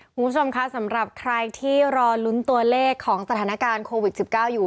คุณผู้ชมคะสำหรับใครที่รอลุ้นตัวเลขของสถานการณ์โควิด๑๙อยู่